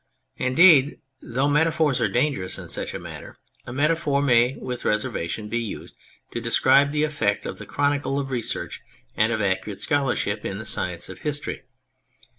Indeed though meta phors are dangerous in such a matter a metaphor may with reservation be used to describe the effect of the chronicle, of research, and of accurate scholar ship in the science of history.